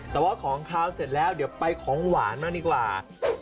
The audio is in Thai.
แต่ว่าของขาวเสร็จแล้วเดี๋ยวไปของหวานมาดีกว่า